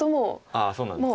ああそうなんですね。